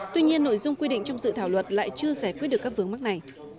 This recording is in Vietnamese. tuy nhiên nội dung quy định trong dự thảo luật lại chưa giải quyết được các vướng mắc này